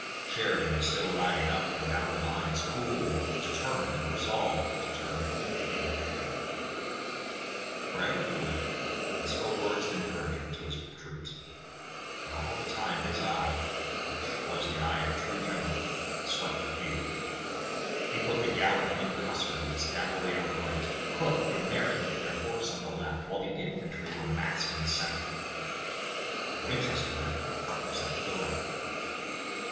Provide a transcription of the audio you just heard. Sheridan was still riding up and down the lines, cool, determined and resolved to turn defeat into victory. Wherever he went he spoke words of encouragement to his troops, but all the time his eye, which was the eye of a true general, swept the field. He put the gallant young Custer with his cavalry on the right, Crook and Merritt with their horse on the left, while the infantry were massed in the center. The Winchester men were sent to the right.